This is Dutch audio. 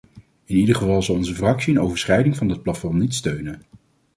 In ieder geval zal onze fractie een overschrijding van dat plafond niet steunen.